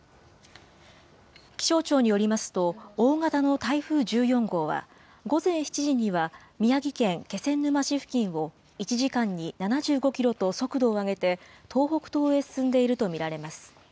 気象庁によりますと、大型の台風１４号は、午前７時には宮城県気仙沼市付近を１時間に７５キロと速度を上げて、東北東へ進んでいると見られます。